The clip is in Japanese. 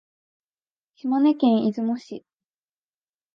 島根県出雲市